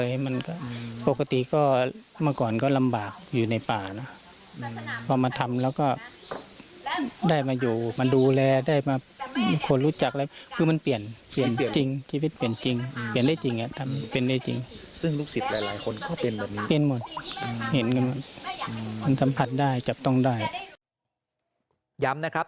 ย้ำนะครับ